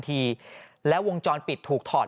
ปี๖๕วันเช่นเดียวกัน